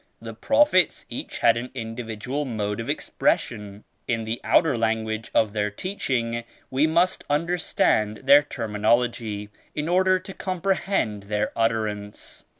"The Prophets each had an individual mode of expression. In the outer language of their teaching we must understand their terminology in order to comprehend their utterance.